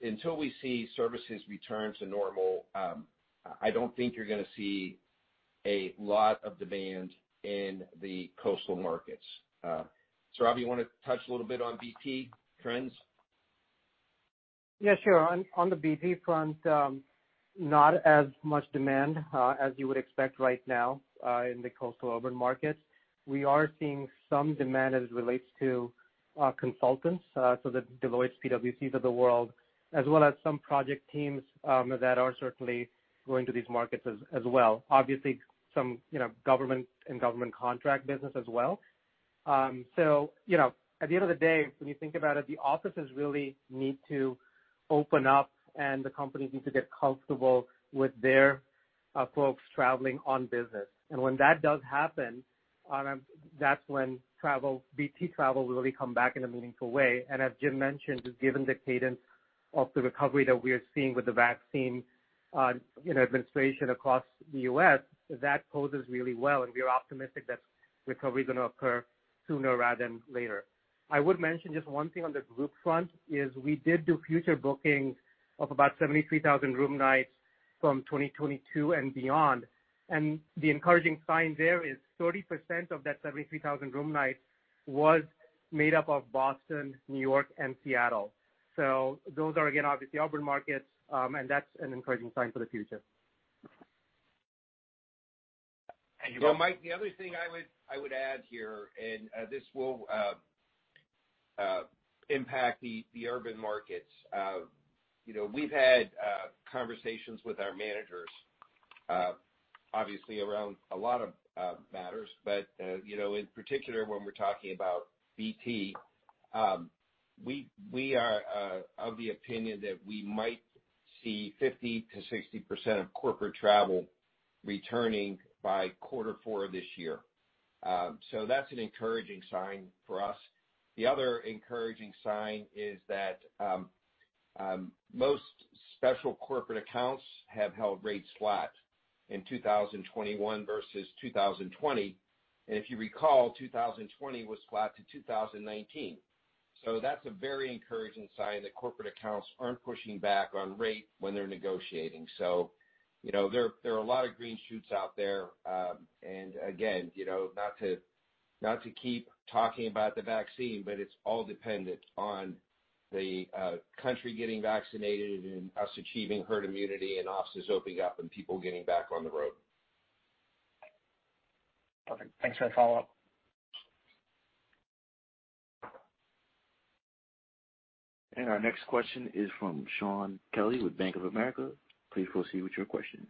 Until we see services return to normal, I don't think you're gonna see a lot of demand in the coastal markets. Sourav, you wanna touch a little bit on BT trends? Sure. On the BT front, Not as much demand as you would expect right now in the coastal urban markets. We are seeing some demand as it relates to our consultants, so the Deloitte, PwC of the world, as well as some project teams, that are certainly going to these markets as well. Obviously, some, you know, government and government contract business as well. You know, at the end of the day, when you think about it, the offices really need to open up, and the companies need to get comfortable with their folks traveling on business. When that does happen, that's when BT travel will really come back in a meaningful way. As Jim mentioned, given the cadence of the recovery that we are seeing with the vaccine, you know, administration across the U.S., that bodes us really well, and we are optimistic that recovery is gonna occur sooner rather than later. I would mention just 1 thing on the group front is we did do future bookings of about 73,000 room nights from 2022 and beyond. The encouraging sign there is 30% of that 73,000 room nights was made up of Boston, New York, and Seattle. Those are, again, obviously urban markets, and that's an encouraging sign for the future. Thank you. Well, Mike, the other thing I would add here, this will impact the urban markets. You know, we've had conversations with our managers, obviously around a lot of matters. You know, in particular, when we're talking about BT, we are of the opinion that we might see 50%-60% of corporate travel returning by Q4 this year. That's an encouraging sign for us. The other encouraging sign is that most special corporate accounts have held rates flat in 2021 versus 2020. If you recall, 2020 was flat to 2019. That's a very encouraging sign that corporate accounts aren't pushing back on rate when they're negotiating. You know, there are a lot of green shoots out there, and again, you know, not to keep talking about the vaccine, but it's all dependent on the country getting vaccinated and us achieving herd immunity and offices opening up and people getting back on the road. Perfect. Thanks for the follow-up. Our next question is from Shaun Kelley with Bank of America. Please proceed with your question.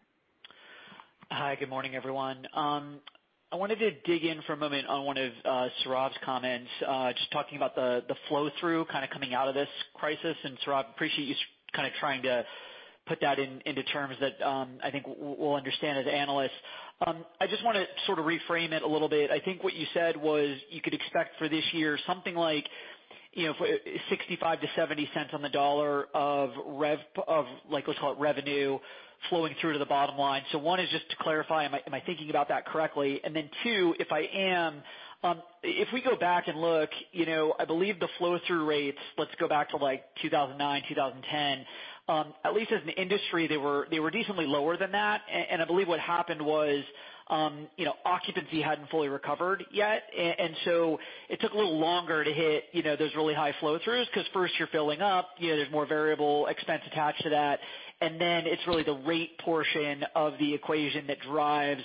Hi, good morning, everyone. I wanted to dig in for a moment on 1 of Sourav's comments, just talking about the flow-through kind of coming out of this crisis. Sourav, appreciate you kind of trying to put that in, into terms that, I think we'll understand as analysts. I just wanna sort of reframe it a little bit. I think what you said was you could expect for this year something like, you know, for $0.65 to $0.70 on the dollar of like, let's call it revenue flowing through to the bottom line. 1 is just to clarify, am I, am I thinking about that correctly? 2, if I am, if we go back and look, you know, I believe the flow-through rates, let's go back to like 2009, 2010, at least as an industry, they were decently lower than that. I believe what happened was, you know, occupancy hadn't fully recovered yet. So it took a little longer to hit, you know, those really high flow-throughs because first you're filling up, you know, there's more variable expense attached to that. It's really the rate portion of the equation that drives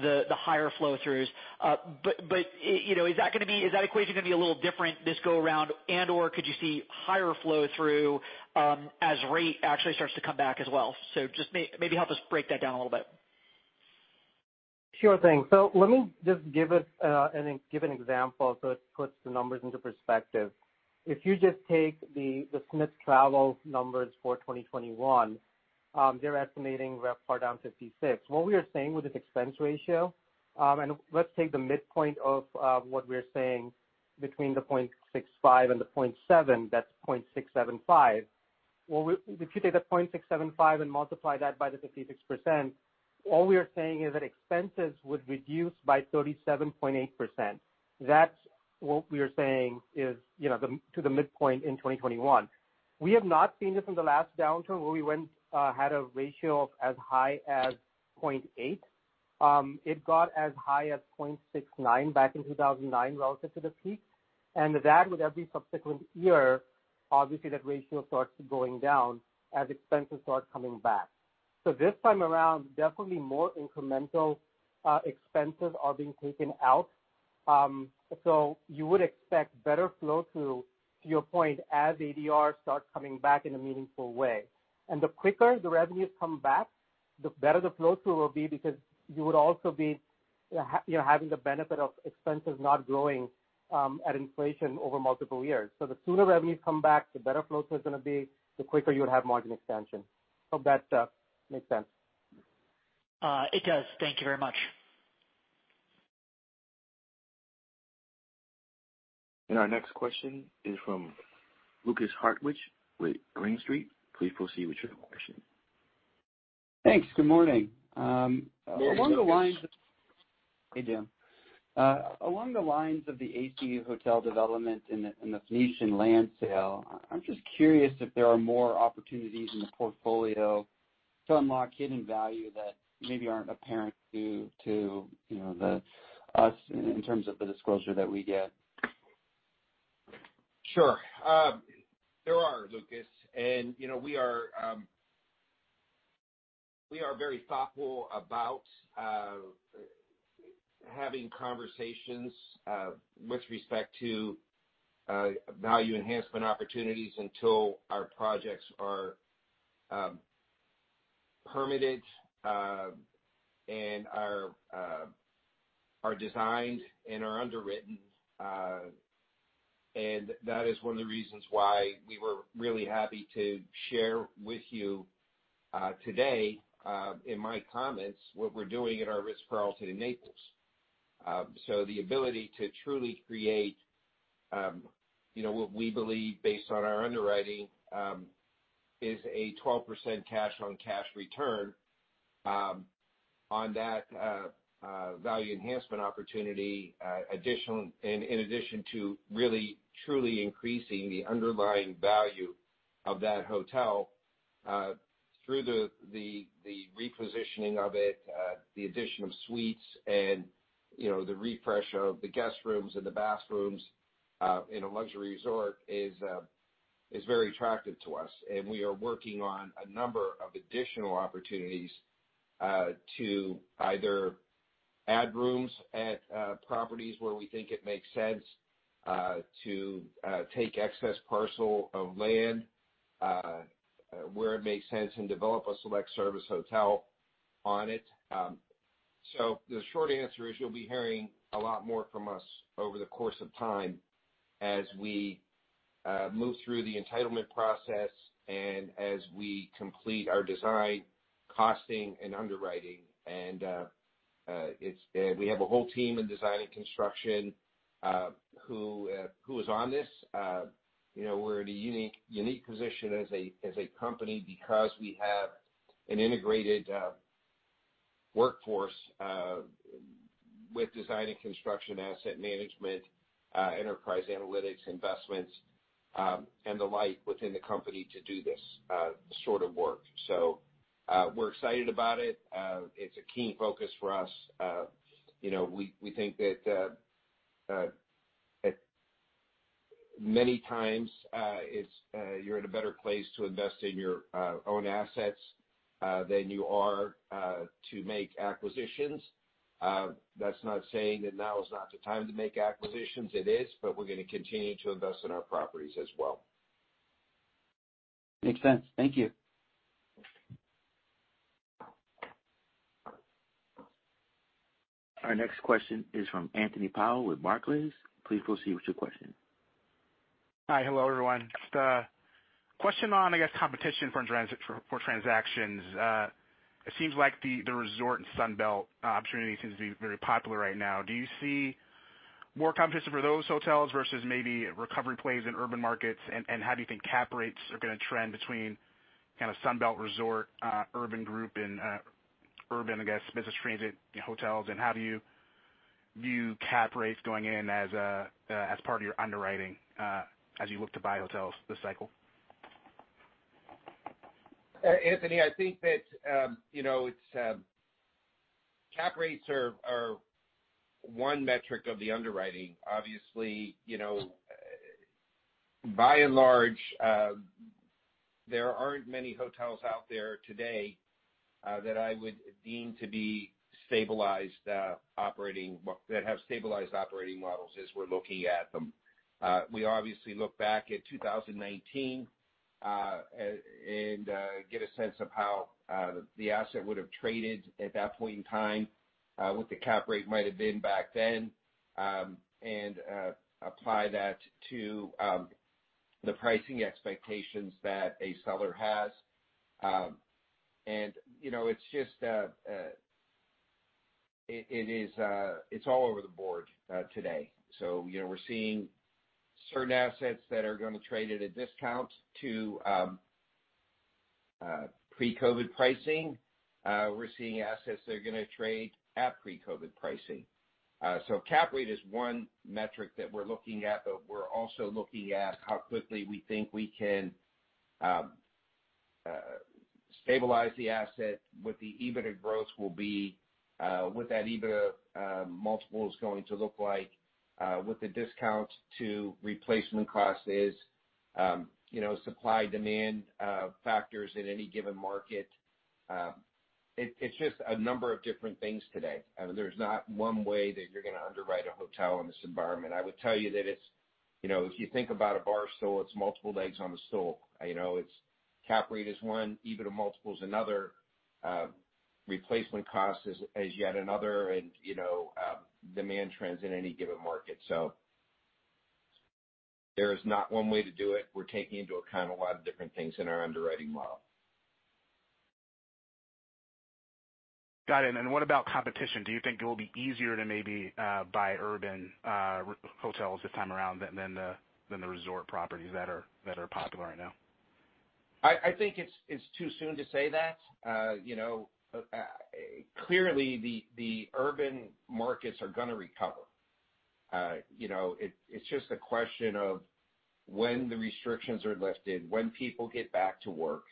the higher flow-throughs. But, you know, is that equation gonna be a little different this go around, and/or could you see higher flow-through as rate actually starts to come back as well? just maybe help us break that down a little bit. Sure thing. Let me just give an example, so it puts the numbers into perspective. If you just take the Smith Travel Research numbers for 2021, they're estimating RevPAR down 56%. What we are saying with this expense ratio, and let's take the midpoint of what we are saying between the 0.65 and the 0.7, that's 0.675. If you take that 0.675 and multiply that by the 56%, all we are saying is that expenses would reduce by 37.8%. That's what we are saying is, you know, to the midpoint in 2021. We have not seen this in the last downturn where we went, had a ratio of as high as 0.8. It got as high as 0.69 back in 2009 relative to the peak. That with every subsequent year, obviously that ratio starts going down as expenses start coming back. This time around, definitely more incremental expenses are being taken out. You would expect better flow through, to your point, as ADR starts coming back in a meaningful way. The quicker the revenues come back, the better the flow through will be because you would also be you know, having the benefit of expenses not growing at inflation over multiple years. The sooner revenues come back, the better flow through is gonna be, the quicker you would have margin expansion. Hope that makes sense. It does. Thank you very much. Our next question is from Lukas Hartwich with Green Street. Please proceed with your question. Thanks. Good morning. Good morning, Lukas. Hey, Jim. Along the lines of the AC Hotel development and the, and The Phoenician land sale, I'm just curious if there are more opportunities in the portfolio to unlock hidden value that maybe aren't apparent to, you know, us in terms of the disclosure that we get? Sure. there are Lukas, and, you know, we are very thoughtful about having conversations with respect to value enhancement opportunities until our projects are permitted and are designed and are underwritten. That is 1 of the reasons why we were really happy to share with you today in my comments, what we're doing at our The Ritz-Carlton, Naples. The ability to truly create, you know, what we believe based on our underwriting, is a 12% cash-on-cash return on that value enhancement opportunity, in addition to really truly increasing the underlying value of that hotel, through the repositioning of it, the addition of suites and, you know, the refresh of the guest rooms and the bathrooms, in a luxury resort is very attractive to us. We are working on a number of additional opportunities to either add rooms at properties where we think it makes sense, to take excess parcel of land where it makes sense and develop a select service hotel on it. The short answer is you'll be hearing a lot more from us over the course of time as we move through the entitlement process and as we complete our design, costing, and underwriting. We have a whole team in design and construction who is on this. You know, we're in a unique position as a company because we have an integrated workforce with design and construction, asset management, enterprise analytics, investments, and the like within the company to do this sort of work. We're excited about it. It's a key focus for us. You know, we think that many times it's you're in a better place to invest in your own assets than you are to make acquisitions. That's not saying that now is not the time to make acquisitions. It is. We're gonna continue to invest in our properties as well. Makes sense. Thank you. Our next question is from Anthony Powell with Barclays. Please proceed with your question. Hi. Hello, everyone. Just a question on, I guess, competition for transactions? It seems like the resort and Sun Belt opportunity seems to be very popular right now. Do you see more competition for those hotels versus maybe recovery plays in urban markets? How do you think cap rates are gonna trend between kinda Sun Belt resort, urban group and urban, I guess, business transit hotels? How do you view cap rates going in as part of your underwriting as you look to buy hotels this cycle? Anthony, I think that, you know, it's cap rates are 1 metric of the underwriting. Obviously, you know, by and large, there aren't many hotels out there today that I would deem to be stabilized operating models as we're looking at them. We obviously look back at 2019, and get a sense of how the asset would have traded at that point in time, what the cap rate might have been back then, and apply that to the pricing expectations that a seller has. And, you know, it's just, it is, it's all over the board today. You know, we're seeing certain assets that are gonna trade at a discount to pre-COVID pricing. We're seeing assets that are gonna trade at pre-COVID pricing. Cap rate is 1 metric that we're looking at, but we're also looking at how quickly we think we can stabilize the asset, what the EBITDA growth will be, what that EBITDA multiple is going to look like, what the discount to replacement cost is, you know, supply/demand factors in any given market. It's just a number of different things today. I mean, there's not 1 way that you're gonna underwrite a hotel in this environment. I would tell you that it's, you know, if you think about a bar of soap, it's multiple legs on the stool. You know, it's cap rate is 1, EBITDA multiple is another, replacement cost is yet another and, you know, demand trends in any given market. There is not 1 way to do it. We're taking into account a lot of different things in our underwriting model. Got it. What about competition? Do you think it will be easier to maybe buy urban hotels this time around than the resort properties that are popular right now? I think it's too soon to say that. you know, clearly the urban markets are gonna recover. you know, it's just a question of when the restrictions are lifted, when people get back to work,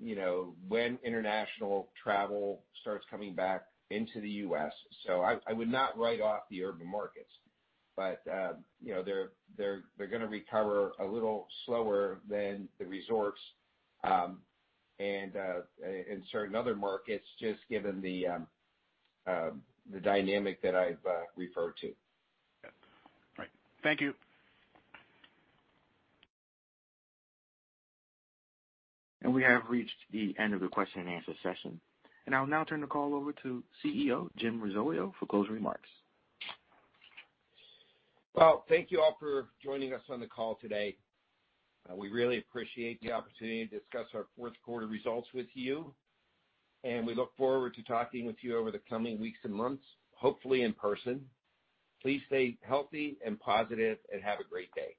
you know, when international travel starts coming back into the U.S. I would not write off the urban markets, but, you know, they're gonna recover a little slower than the resorts, and in certain other markets, just given the dynamic that I've referred to. Right. Thank you. We have reached the end of the question and answer session, and I'll now turn the call over to CEO, Jim Risoleo, for closing remarks. Thank you all for joining us on the call today. We really appreciate the opportunity to discuss our Q4 results with you, and we look forward to talking with you over the coming weeks and months, hopefully in person. Please stay healthy and positive, and have a great day.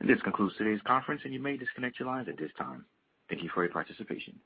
This concludes today's conference, and you may disconnect your lines at this time. Thank you for your participation.